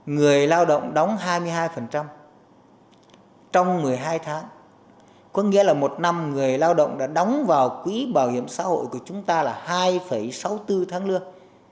người lao động đóng hai mươi hai trong một mươi hai tháng có nghĩa là một năm người lao động đã đóng vào quỹ bảo hiểm xã hội của chúng ta là hai sáu mươi bốn tháng lương